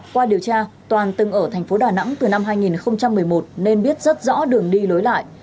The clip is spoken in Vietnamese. qua điều tra toàn từng ở thành phố đà nẵng từ năm hai nghìn một mươi một nên biết rất rõ đường đi lối lại